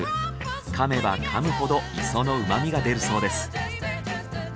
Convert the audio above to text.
噛めば噛むほど磯の旨みが出るそうです。